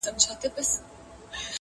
او د نیکه نکلونه نه ختمېدل!.